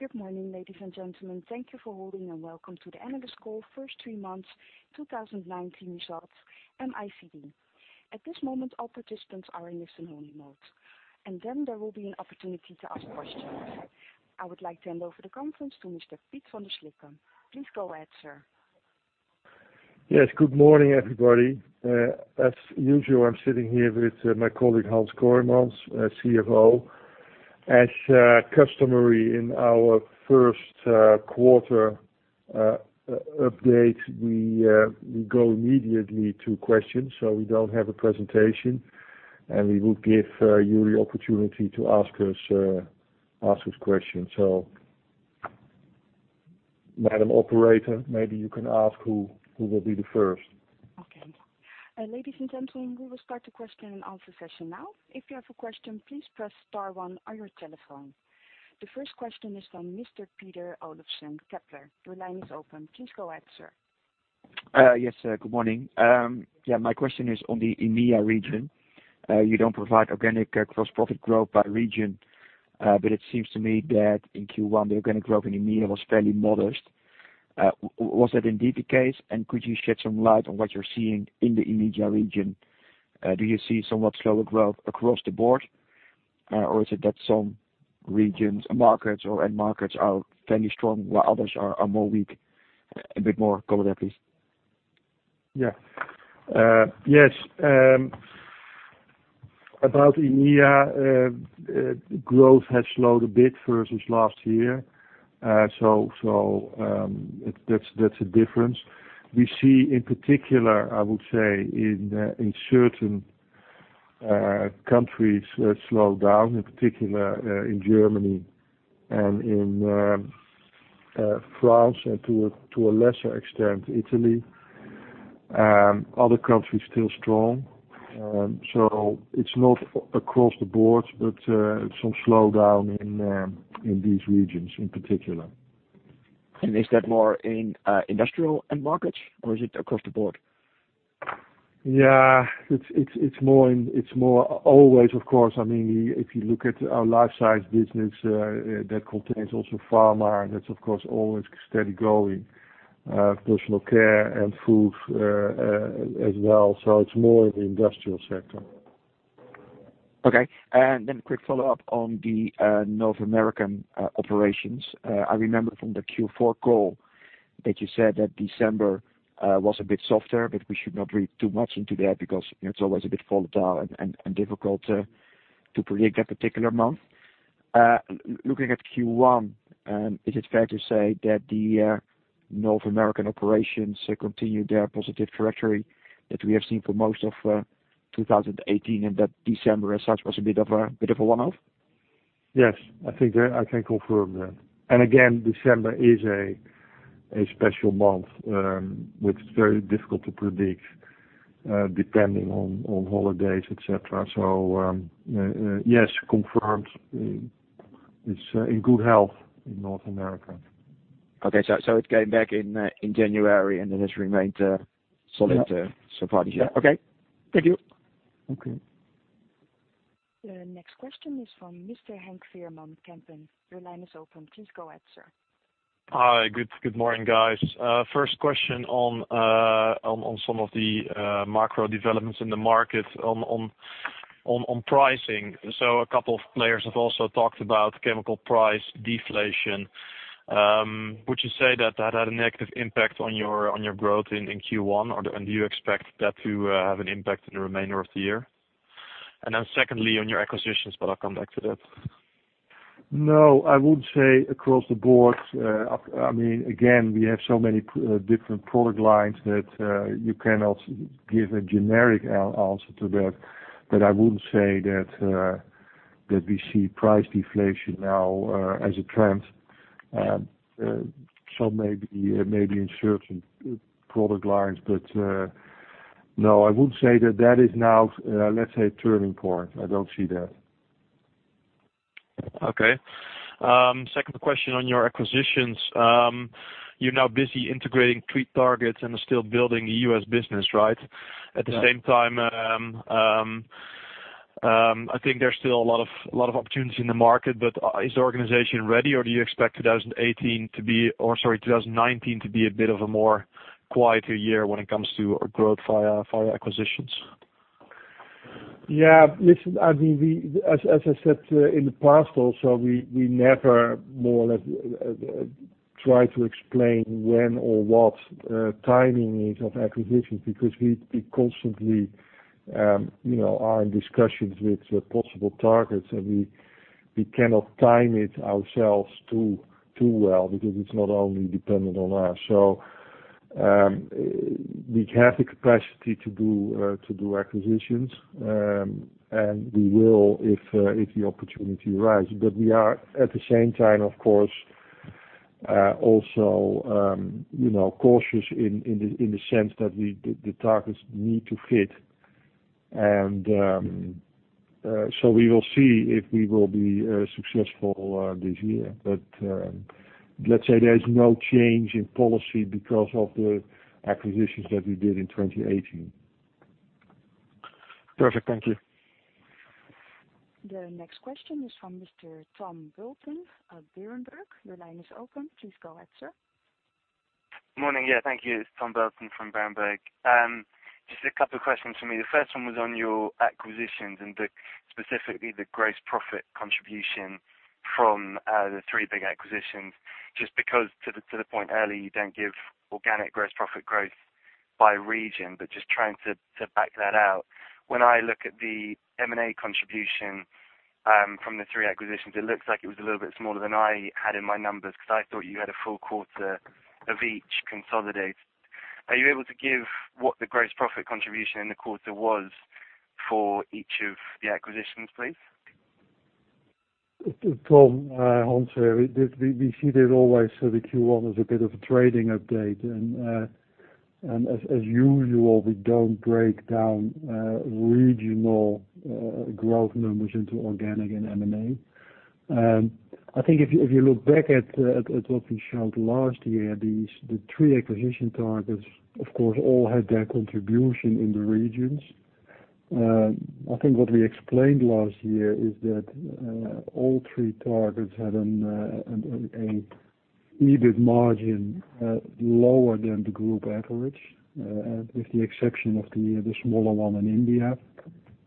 Good morning, ladies and gentlemen. Thank you for holding and welcome to the Analyst Call first three months 2019 results, IMCD. At this moment, all participants are in listen-only mode, there will be an opportunity to ask questions. I would like to hand over the conference to Mr. Piet van der Slikke. Please go ahead, sir. Yes, good morning, everybody. As usual, I'm sitting here with my colleague, Hans Kooijmans, CFO. As customary in our first quarter update, we go immediately to questions, we don't have a presentation, we will give you the opportunity to ask us questions. Madam Operator, maybe you can ask who will be the first. Okay. Ladies and gentlemen, we will start the question and answer session now. If you have a question, please press star one on your telephone. The first question is from Mr. Peter Olofsen, Kepler. Your line is open. Please go ahead, sir. Yes, good morning. My question is on the EMEA region. You don't provide organic gross profit growth by region, it seems to me that in Q1, the organic growth in EMEA was fairly modest. Was that indeed the case, could you shed some light on what you're seeing in the EMEA region? Do you see somewhat slower growth across the board? Is it that some regions, markets, or end markets are fairly strong while others are more weak? A bit more color there, please. Yes. About EMEA, growth has slowed a bit versus last year. That's a difference. We see in particular, I would say, in certain countries slow down, in particular in Germany and in France, and to a lesser extent, Italy. Other countries still strong. It's not across the board, but some slowdown in these regions in particular. Is that more in industrial end markets or is it across the board? Yeah. Always, of course. If you look at our life sciences business, that contains also pharma, and that's, of course, always steady growing. Personal care and food as well. It's more in the industrial sector. Okay. A quick follow-up on the North American operations. I remember from the Q4 call that you said that December was a bit softer, but we should not read too much into that because it's always a bit volatile and difficult to predict that particular month. Looking at Q1, is it fair to say that the North American operations continue their positive trajectory that we have seen for most of 2018 and that December as such was a bit of a one-off? Yes. I think I can confirm that. Again, December is a special month, which is very difficult to predict, depending on holidays, et cetera. Yes, confirmed. It's in good health in North America. Okay. It came back in January, and it has remained solid so far this year. Yeah. Okay. Thank you. Okay. The next question is from Mr. Henk Veerman, Kempen. Your line is open. Please go ahead, sir. Hi. Good morning, guys. First question on some of the macro developments in the market on pricing. A couple of players have also talked about chemical price deflation. Would you say that had a negative impact on your growth in Q1? Do you expect that to have an impact in the remainder of the year? Secondly, on your acquisitions, but I'll come back to that. No, I wouldn't say across the board. Again, we have so many different product lines that you cannot give a generic answer to that. I wouldn't say that we see price deflation now as a trend. Maybe in certain product lines, but no, I wouldn't say that that is now, let's say, a turning point. I don't see that. Okay. Second question on your acquisitions. You're now busy integrating three targets and are still building the U.S. business, right? Yeah. At the same time, I think there's still a lot of opportunity in the market, but is the organization ready, or do you expect 2018 to be, or sorry, 2019 to be a bit of a more quieter year when it comes to growth via acquisitions? Listen, as I said in the past also, we never more or less try to explain when or what timing is of acquisitions because we constantly are in discussions with possible targets, and we cannot time it ourselves too well because it's not only dependent on us. We have the capacity to do acquisitions, and we will if the opportunity arises. We are, at the same time, of course, also cautious in the sense that the targets need to fit. We will see if we will be successful this year. Let's say there is no change in policy because of the acquisitions that we did in 2018. Perfect. Thank you. The next question is from Mr. Tom Burlton of Berenberg. Your line is open. Please go ahead, sir. Morning. Thank you. It's Tom Burlton from Berenberg. Just a couple questions from me. The first one was on your acquisitions and specifically the gross profit contribution from the three big acquisitions. Just because to the point earlier, you don't give organic gross profit growth by region, but just trying to back that out. When I look at the M&A contribution from the three acquisitions, it looks like it was a little bit smaller than I had in my numbers because I thought you had a full quarter of each consolidated. Are you able to give what the gross profit contribution in the quarter was for each of the acquisitions, please? Tom, Hans here. We see that always. The Q1 is a bit of a trading update, and as usual, we don't break down regional growth numbers into organic and M&A. I think if you look back at what we showed last year, the three acquisition targets, of course, all had their contribution in the regions. I think what we explained last year is that all three targets had an EBIT margin lower than the group average, with the exception of the smaller one in India,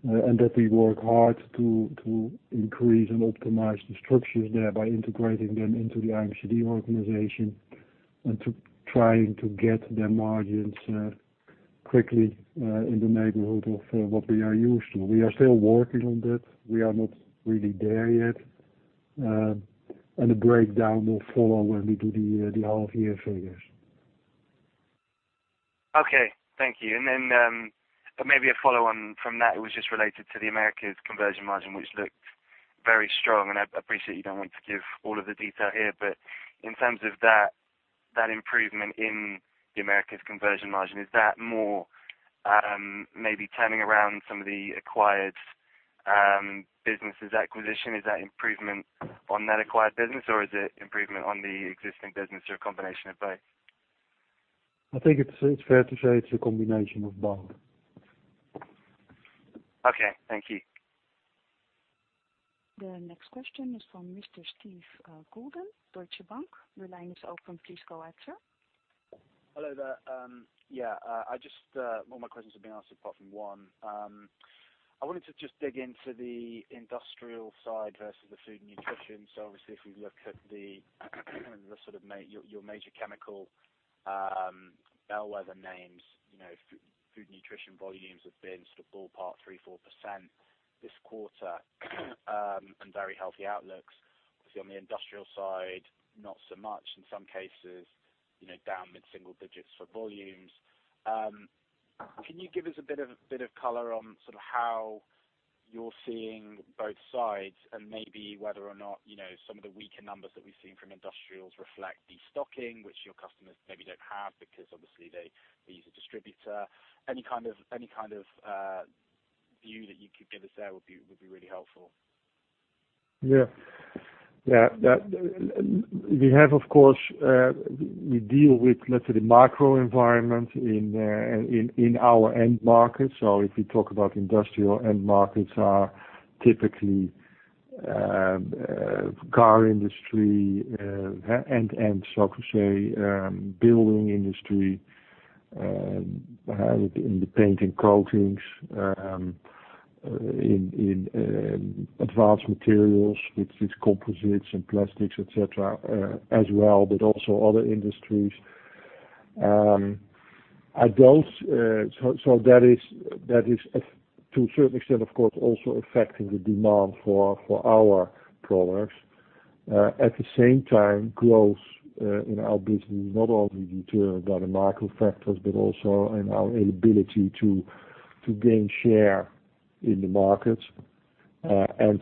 and that we work hard to increase and optimize the structures there by integrating them into the IMCD organization and to trying to get their margins quickly in the neighborhood of what we are used to. We are still working on that. We are not really there yet. A breakdown will follow when we do the half year figures. Okay. Thank you. Then, maybe a follow-on from that. It was just related to the Americas conversion margin, which looked very strong, and I appreciate you don't want to give all of the detail here, but in terms of that improvement in the Americas conversion margin, is that more maybe turning around some of the acquired businesses acquisition? Is that improvement on that acquired business, or is it improvement on the existing business or a combination of both? I think it's fair to say it's a combination of both. Okay. Thank you. The next question is from Mr. Steve Golden, Deutsche Bank. Your line is open. Please go ahead, sir. Hello there. All my questions have been answered apart from one. I wanted to just dig into the industrial side versus the Food & Nutrition. If we look at your major chemical bellwether names, Food & Nutrition volumes have been sort of ballpark 3%, 4% this quarter, and very healthy outlooks. On the industrial side, not so much. In some cases, down mid-single digits for volumes. Can you give us a bit of color on how you're seeing both sides and maybe whether or not some of the weaker numbers that we've seen from industrials reflect destocking, which your customers maybe don't have because obviously they use a distributor. Any kind of view that you could give us there would be really helpful. We deal with, let's say, the macro environment in our end markets. If we talk about industrial end markets are typically car industry, building industry, in the painting coatings, in Advanced Materials, which is composites and plastics, et cetera, as well, but also other industries. That is to a certain extent, of course, also affecting the demand for our products. At the same time, growth in our business is not only determined by the macro factors, but also in our ability to gain share in the markets, and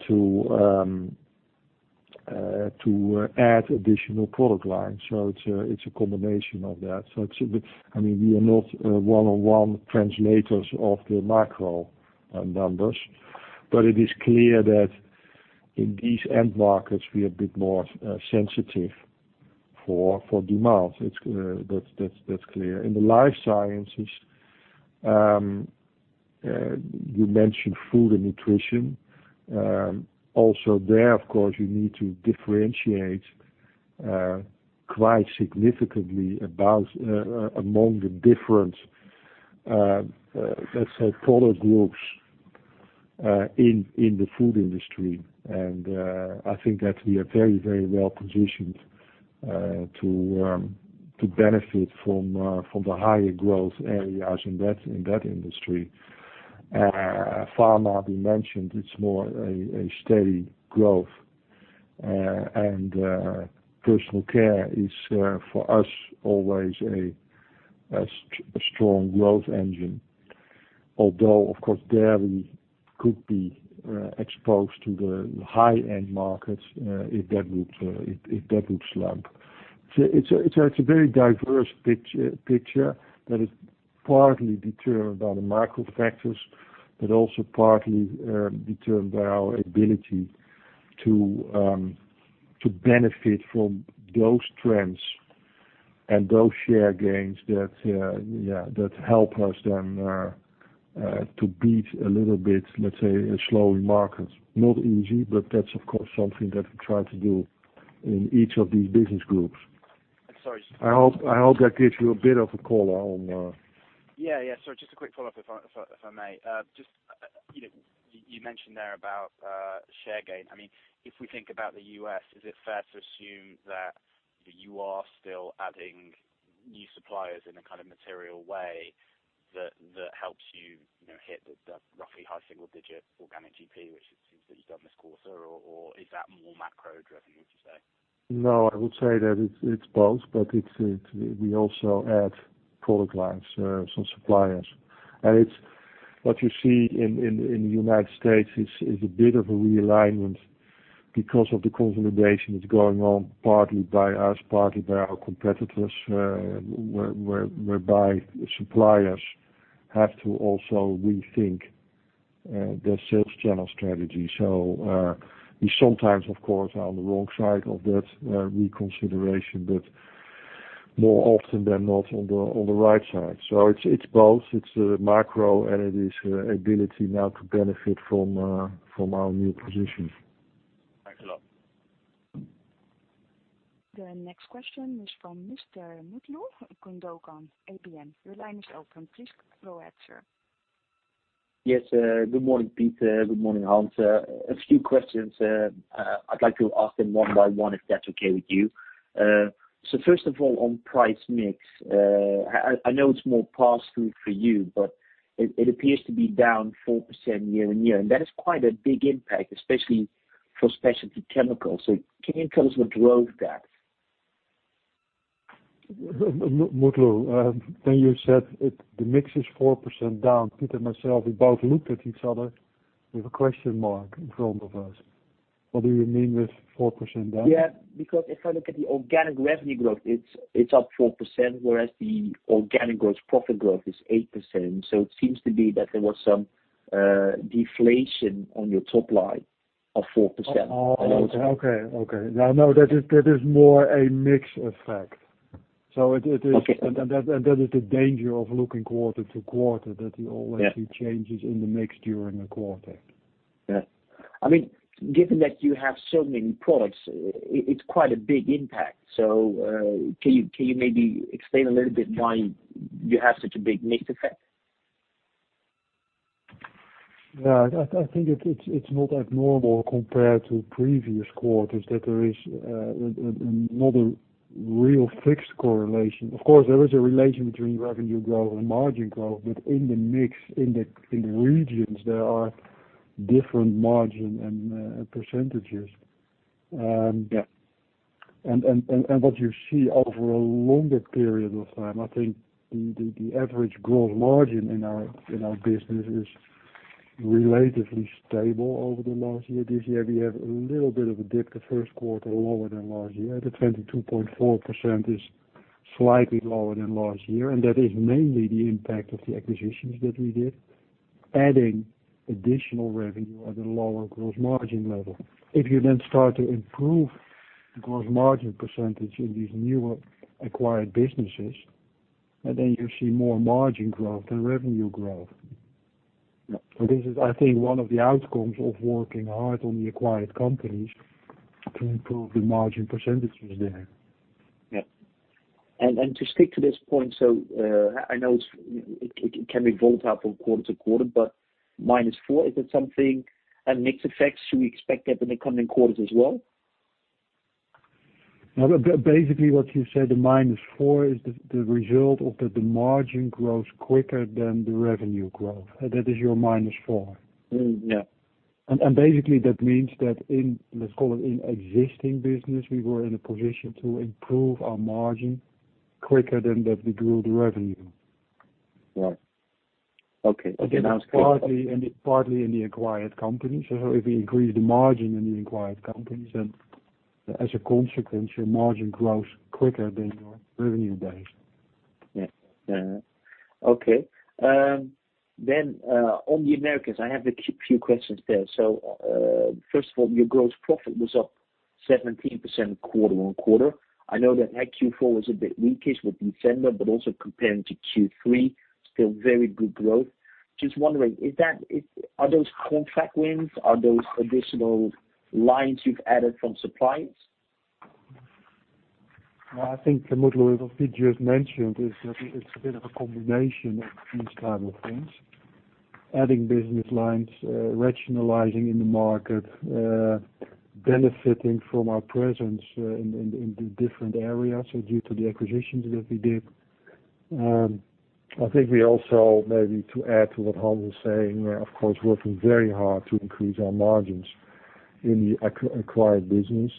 to add additional product lines. It's a combination of that. We are not one-on-one translators of the macro numbers, but it is clear that in these end markets, we are a bit more sensitive for demand. That's clear. In the life sciences, you mentioned Food & Nutrition. Also there, of course, you need to differentiate quite significantly among the different, let's say, product groups in the food industry. I think that we are very, very well-positioned to benefit from the higher growth areas in that industry. Pharma, we mentioned it's more a steady growth. Personal Care is for us, always a strong growth engine. Although, of course, there we could be exposed to the high-end markets if that would slump. It's a very diverse picture that is partly determined by the macro factors, but also partly determined by our ability to benefit from those trends and those share gains that help us then to beat a little bit, let's say, a slower market. Not easy, but that's, of course, something that we try to do in each of these business groups. Sorry. I hope that gives you a bit of a call on- Yeah. Sorry, just a quick follow-up if I may. You mentioned there about share gain. If we think about the U.S., is it fair to assume that you are still adding new suppliers in a material way that helps you hit the roughly high single-digit organic GP, which it seems that you've done this quarter, or is that more macro-driven, would you say? I would say that it's both, but we also add product lines, some suppliers. What you see in the United States is a bit of a realignment because of the consolidation that's going on partly by us, partly by our competitors, whereby suppliers have to also rethink their sales channel strategy. We sometimes, of course, are on the wrong side of that reconsideration, but more often than not on the right side. It's both. It's a macro and it is ability now to benefit from our new position. Thanks a lot. The next question is from Mr. Mutlu Kundogan, APM. Your line is open. Please go ahead, sir. Good morning, Piet. Good morning, Hans. A few questions. I'd like to ask them one by one, if that's okay with you. First of all, on price mix, I know it's more pass-through for you, but it appears to be down 4% year-on-year, and that is quite a big impact, especially for specialty chemicals. Can you tell us what drove that? Mutlu, when you said the mix is 4% down, Pete and myself, we both looked at each other with a question mark in front of us. What do you mean with 4% down? Yeah, because if I look at the organic revenue growth, it's up 4%, whereas the organic gross profit growth is 8%. It seems to be that there was some deflation on your top line of 4%. Oh, okay. No, that is more a mix effect. Okay. That is the danger of looking quarter to quarter, that you always see changes in the mix during a quarter. Given that you have so many products, it's quite a big impact. Can you maybe explain a little bit why you have such a big mix effect? I think it's not abnormal compared to previous quarters that there is not a real fixed correlation. Of course, there is a relation between revenue growth and margin growth, but in the mix, in the regions, there are different margin and percentages. Yeah. What you see over a longer period of time, I think the average gross margin in our business is relatively stable over the last year. This year, we have a little bit of a dip the first quarter, lower than last year. The 22.4% is slightly lower than last year, and that is mainly the impact of the acquisitions that we did, adding additional revenue at a lower gross margin level. If you then start to improve the gross margin percentage in these newer acquired businesses, then you see more margin growth than revenue growth. Yeah. this is, I think, one of the outcomes of working hard on the acquired companies to improve the margin % there. To stick to this point, I know it can be volatile from quarter to quarter, -4, is it something Mix effects, should we expect that in the coming quarters as well? Basically what you said, the -4 is the result of the margin growth quicker than the revenue growth. That is your -4. Yeah. Basically, that means that in, let's call it, in existing business, we were in a position to improve our margin quicker than we grew the revenue. Right. Okay. That's clear. Partly in the acquired companies. If we increase the margin in the acquired companies, as a consequence, your margin grows quicker than your revenue does. Yeah. Okay. On the Americas, I have a few questions there. First of all, your gross profit was up 17% quarter-on-quarter. I know that Q4 was a bit weakest with December, but also comparing to Q3, still very good growth. Just wondering, are those contract wins? Are those additional lines you've added from suppliers? Well, I think, Mutlu, what Pete just mentioned is that it's a bit of a combination of these kinds of things. Adding business lines, rationalizing in the market, benefiting from our presence in the different areas due to the acquisitions that we did. I think we also, maybe to add to what Hans was saying, of course, working very hard to increase our margins in the acquired business,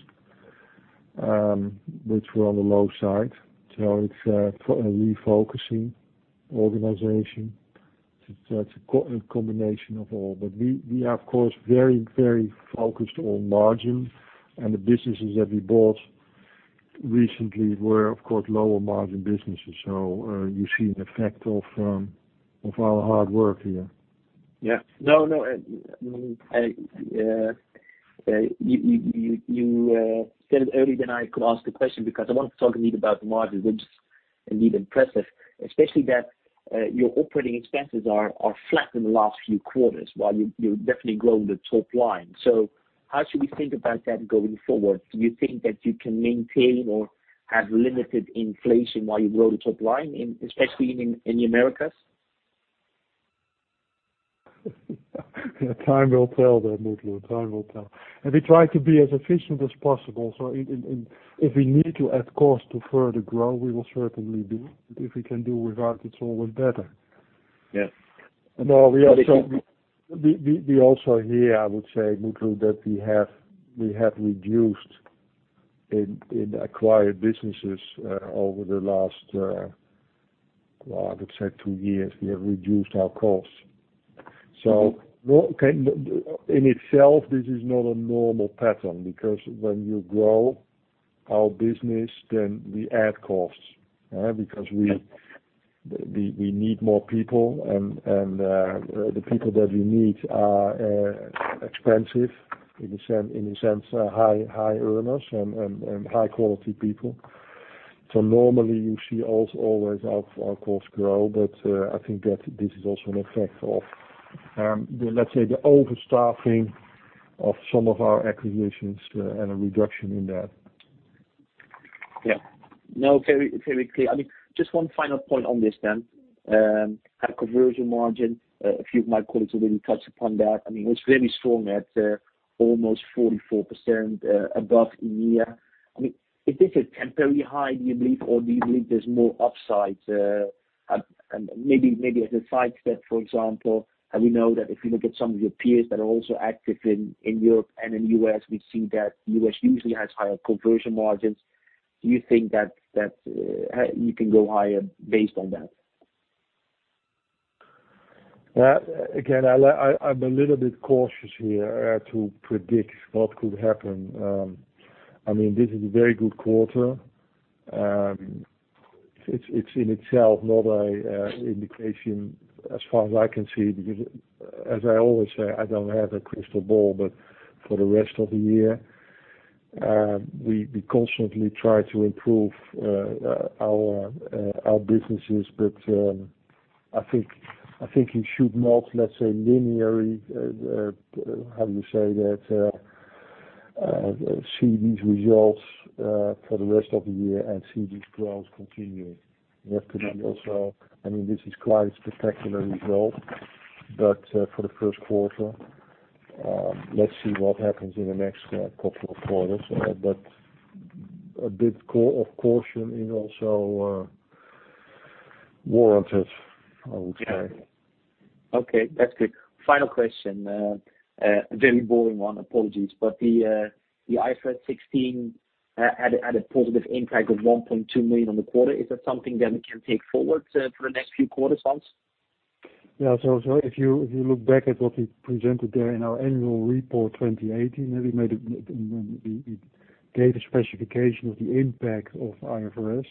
which were on the low side. It's a refocusing organization. It's a combination of all. We are, of course, very focused on margin, and the businesses that we bought recently were, of course, lower margin businesses. You see an effect of our hard work here. No, you said it earlier than I could ask the question, I wanted to talk a bit about the margins, which is indeed impressive, especially that your operating expenses are flat in the last few quarters while you are definitely growing the top line. How should we think about that going forward? Do you think that you can maintain or have limited inflation while you grow the top line, especially in the Americas? Time will tell there, Mutlu. Time will tell. We try to be as efficient as possible. If we need to add cost to further grow, we will certainly do. If we can do without, it is always better. Yes. We also, here, I would say, Mutlu, that we have reduced in acquired businesses over the last, I would say two years, we have reduced our costs. In itself, this is not a normal pattern, when you grow our business, then we add costs. We need more people, and the people that we need are expensive, in a sense, high earners and high-quality people. Normally, you see always our costs grow. I think that this is also an effect of, let's say, the overstaffing of some of our acquisitions and a reduction in that. No, very clear. Just one final point on this then. Conversion margin, a few of my colleagues already touched upon that. It is very strong at almost 44% above EMEA. Is this a temporary high, do you believe, or do you believe there is more upside? Maybe as a side step, for example, we know that if you look at some of your peers that are also active in Europe and in U.S., we see that U.S. usually has higher conversion margins. Do you think that you can go higher based on that? I'm a little bit cautious here to predict what could happen. This is a very good quarter. It's in itself not an indication as far as I can see, because as I always say, I don't have a crystal ball. For the rest of the year, we constantly try to improve our businesses. I think you should not, let's say, linearly, how you say that, see these results for the rest of the year and see these growth continuing. This is quite a spectacular result, but for the first quarter. Let's see what happens in the next couple of quarters. A bit of caution is also warranted, I would say. Okay. That's good. Final question. A very boring one, apologies. The IFRS 16 had a positive impact of 1.2 million on the quarter. Is that something that we can take forward for the next few quarters, Hans? Yeah. If you look back at what we presented there in our annual report 2018, we gave a specification of the impact of IFRS.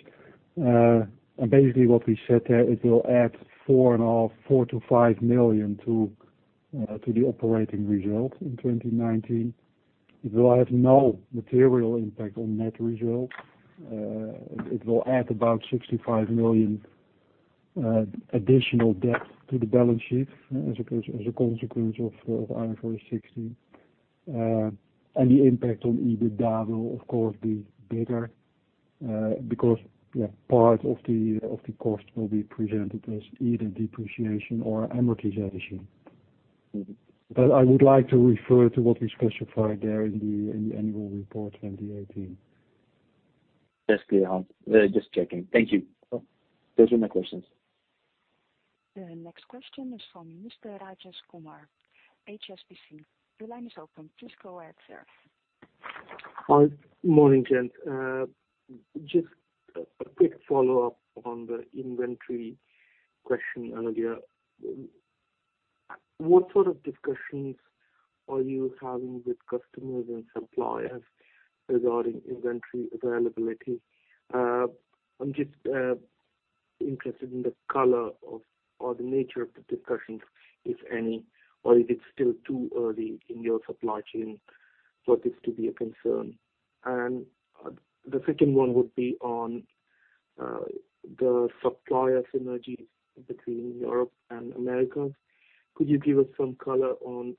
Basically, what we said there, it will add 4 million-5 million to the operating result in 2019. It will have no material impact on net results. It will add about 65 million additional debt to the balance sheet as a consequence of IFRS 16. The impact on EBITDA will, of course, be bigger because part of the cost will be presented as either depreciation or amortization. I would like to refer to what we specified there in the annual report 2018. That's clear, Hans. Just checking. Thank you. Sure. Those are my questions. The next question is from Mr. Rajesh Kumar, HSBC. Your line is open. Just go ahead, sir. Hi. Morning, gents. Just a quick follow-up on the inventory question earlier. What sort of discussions are you having with customers and suppliers regarding inventory availability? I'm just interested in the color or the nature of the discussions, if any, or if it's still too early in your supply chain for this to be a concern. The second one would be on the supplier synergies between Europe and Americas. Could you give us some color on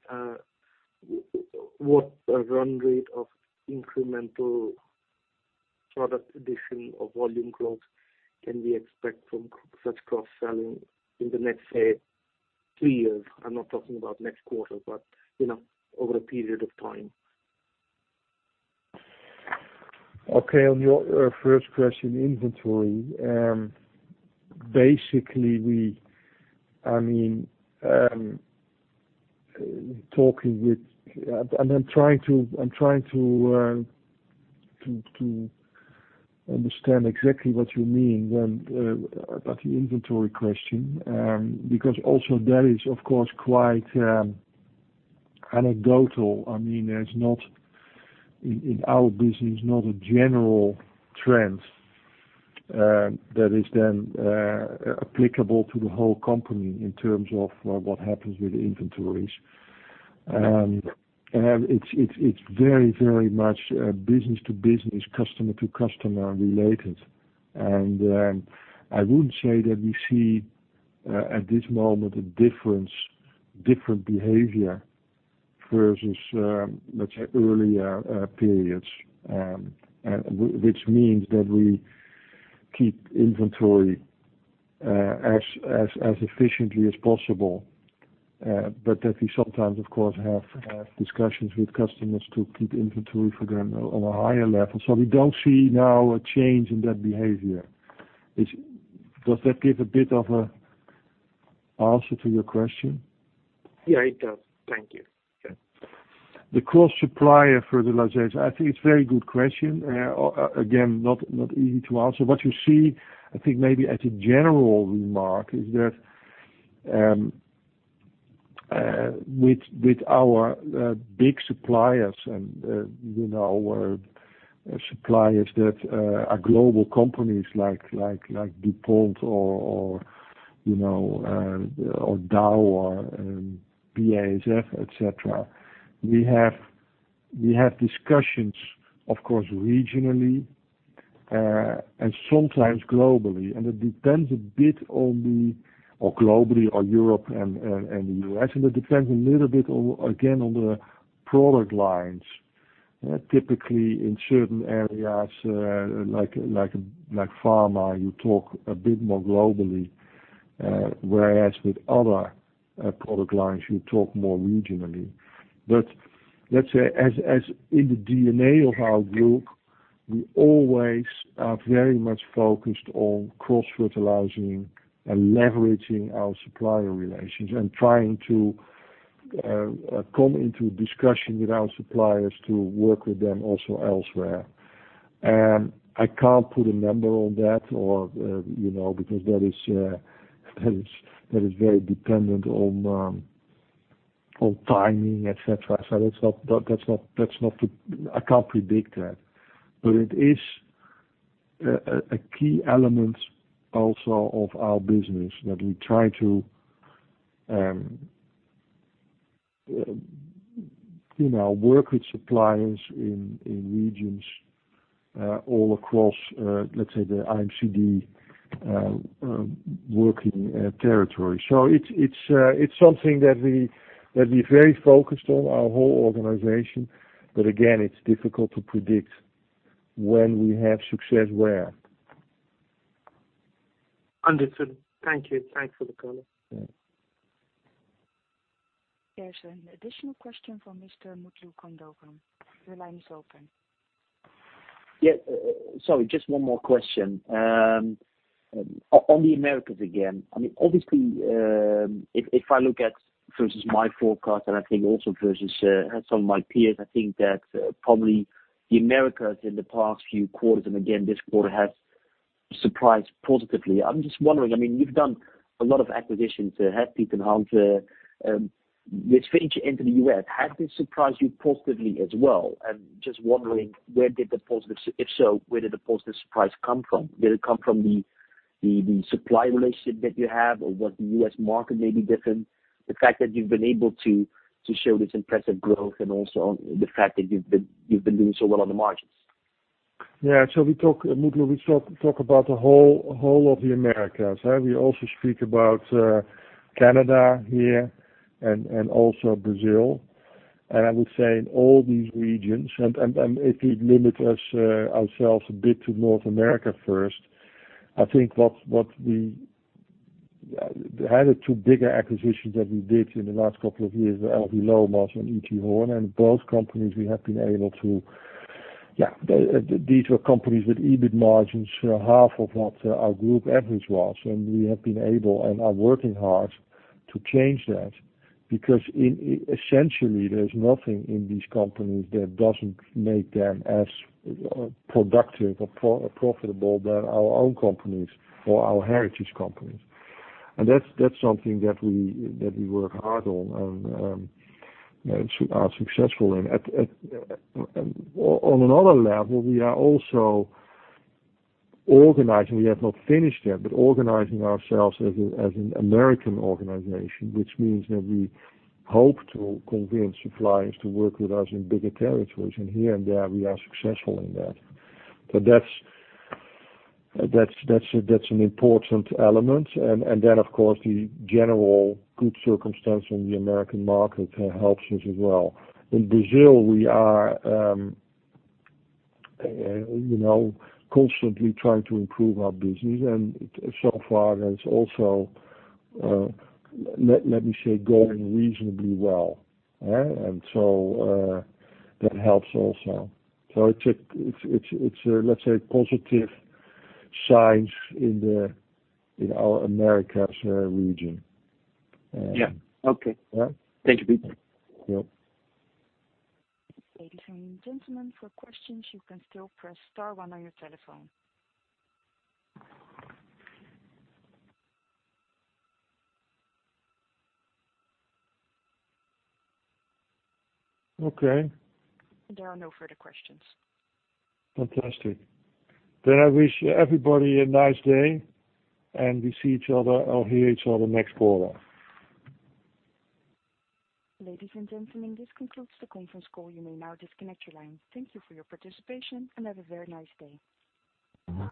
what a run rate of incremental product addition or volume growth can we expect from such cross-selling in the next, say, two years? I'm not talking about next quarter, but over a period of time. Okay, on your first question, inventory. Basically, I'm trying to understand exactly what you mean about the inventory question. Because also that is, of course, quite anecdotal. There's not, in our business, not a general trend that is then applicable to the whole company in terms of what happens with inventories. It's very much business-to-business, customer-to-customer related. I would say that we see at this moment, a different behavior versus, let's say, earlier periods, which means that we keep inventory as efficiently as possible. That we sometimes, of course, have discussions with customers to keep inventory for them on a higher level. We don't see now a change in that behavior. Does that give a bit of a answer to your question? Yeah, it does. Thank you. Okay. The cross-fertilization. I think it's a very good question. Again, not easy to answer. What you see, I think maybe as a general remark, is that with our big suppliers and suppliers that are global companies like DuPont or Dow or BASF, et cetera, we have discussions, of course, regionally, and sometimes globally. It depends a bit on the or globally or Europe and the U.S. It depends a little bit, again, on the product lines. Typically, in certain areas, like Pharmaceuticals, you talk a bit more globally, whereas with other product lines, you talk more regionally. Let's say, as in the DNA of our group, we always are very much focused on cross-fertilizing and leveraging our supplier relations and trying to come into discussion with our suppliers to work with them also elsewhere. I can't put a number on that, because that is very dependent on timing, et cetera. I can't predict that. It is a key element also of our business that we try to work with suppliers in regions all across, let's say, the IMCD working territory. It's something that we're very focused on our whole organization. Again, it's difficult to predict when we have success where. Understood. Thank you. Thanks for the call. Yeah. There's an additional question from Mr. Mutlu Kundogan. Your line is open. Yeah. Sorry, just one more question. On the Americas again. Obviously, if I look at versus my forecast, and I think also versus some of my peers, I think that probably the Americas in the past few quarters, and again, this quarter has surprised positively. I'm just wondering, you've done a lot of acquisitions. Has Piet and how the [H.M. Royal] into the U.S., has this surprised you positively as well? Just wondering, if so, where did the positive surprise come from? Did it come from the supply relationship that you have or was the U.S. market maybe different? The fact that you've been able to show this impressive growth and also the fact that you've been doing so well on the margins. Yeah. We talk, Mutlu, we talk about the whole of the Americas, right? We also speak about Canada here and also Brazil. I would say in all these regions, and if we limit ourselves a bit to North America first, I think what we had two bigger acquisitions that we did in the last couple of years, L.V. Lomas and E.T. Horn. These were companies with EBIT margins half of what our group average was, and we have been able and are working hard to change that, because essentially, there's nothing in these companies that doesn't make them as productive or profitable than our own companies or our heritage companies. That's something that we work hard on and are successful in. On another level, we are also organizing. We have not finished yet, organizing ourselves as a U.S. organization, which means that we hope to convince suppliers to work with us in bigger territories. Here and there, we are successful in that. That's an important element. Then, of course, the general good circumstance in the U.S. market helps us as well. In Brazil, we are constantly trying to improve our business, and so far it's also, let me say, going reasonably well. That helps also. It's, let's say, positive signs in our Americas region. Yeah. Okay. Yeah. Thank you, Piet. Yep. Ladies and gentlemen, for questions, you can still press star one on your telephone. Okay. There are no further questions. Fantastic. I wish everybody a nice day, we see each other or hear each other next quarter. Ladies and gentlemen, this concludes the conference call. You may now disconnect your line. Thank you for your participation, have a very nice day.